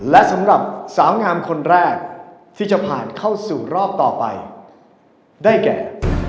และสำหรับสาวงามคนแรกที่จะผ่านเข้าสู่รอบต่อไปได้แก่